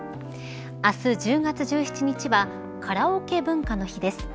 明日１０月１７日はカラオケ文化の日です。